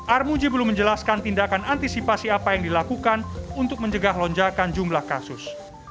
armuji belum menjelaskan tindakan antisipasi apa yang dilakukan untuk mencegah lonjakan jumlah kasus